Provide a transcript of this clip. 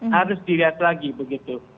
harus dilihat lagi begitu